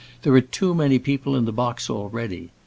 "There are too many people in the box already."